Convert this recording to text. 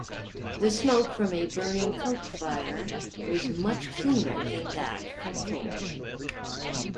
The smoke from a burning coke fire was much cleaner than that from coal.